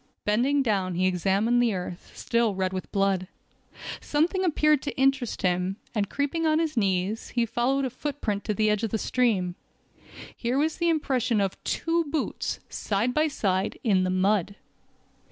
Bending down he examined the earth, still red with blood. Something appeared to interest him, and creeping on his knees, he followed a footprint to the edge of the stream. Here was an impression of two boots, side by side, in the mud.